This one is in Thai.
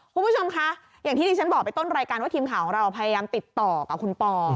คุณผู้ชมคะอย่างที่ที่ฉันบอกไปต้นรายการว่าทีมข่าวของเราพยายามติดต่อกับคุณปอ